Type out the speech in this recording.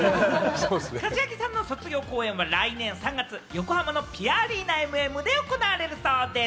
柏木さんの卒業公演は来年３月にぴあアリーナＭＭで行われるそうです。